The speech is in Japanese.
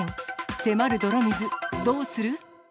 迫る泥水、どうする？